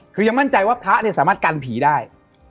คือยังมั่นใจว่าพระเนี่ยสามารถกันผีได้